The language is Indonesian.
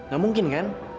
gak mungkin kan